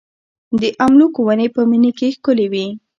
د املوک ونې په مني کې ښکلې وي.